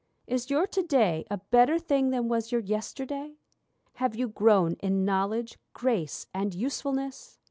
Is your to day a better thing than was your yesterday? Have you grown in knowledge, grace, and usefulness?